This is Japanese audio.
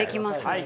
はい。